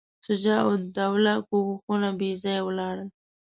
شجاع الدوله کوښښونه بېځایه ولاړل.